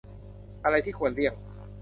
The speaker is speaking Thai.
อะไรที่ควรเลี่ยง